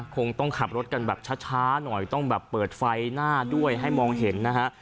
คงต้องขับรถกันแบบช้าหน่อยต้องแบบเปิดไฟหน้าด้วยให้มองเห็นนะฮะ